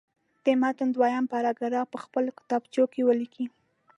د متن دویم پاراګراف په خپلو کتابچو کې ولیکئ.